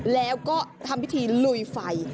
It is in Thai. แล้วก็ทำพิธีลุยไฟ